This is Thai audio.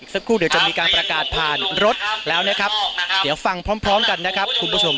สักครู่เดี๋ยวจะมีการประกาศผ่านรถแล้วนะครับเดี๋ยวฟังพร้อมกันนะครับคุณผู้ชม